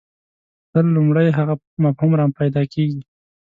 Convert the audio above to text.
تل لومړی هغه مفهوم راپیدا کېږي.